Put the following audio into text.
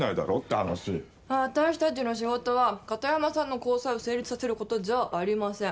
私たちの仕事は片山さんの交際を成立させる事じゃありません。